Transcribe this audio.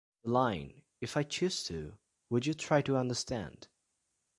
The line, If I choose to, would you try to understand?